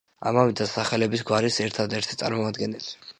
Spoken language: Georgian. ამავე დასახელების გვარის ერთადერთი წარმომადგენელი.